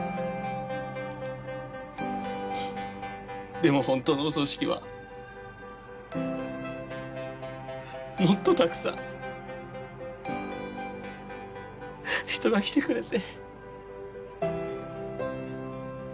でも本当のお葬式はもっとたくさん人が来てくれて。